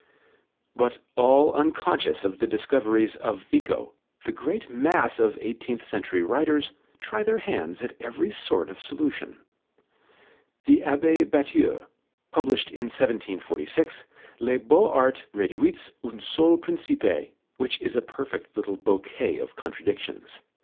But all unconscious of the discoveries of Vico, the great mass of eighteenth century writers try their hands at every sort of solution. The Abbé Batteux published in 1746 Les Beaux arts réduits a un seul principe, which is a perfect little bouquet of contradictions.